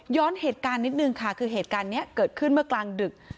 เหตุการณ์นิดนึงค่ะคือเหตุการณ์นี้เกิดขึ้นเมื่อกลางดึก